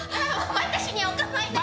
私にお構いなく。